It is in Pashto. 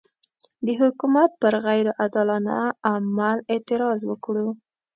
د حکومت پر غیر عادلانه عمل اعتراض وکړو.